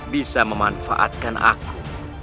bisa memanfaatkan aku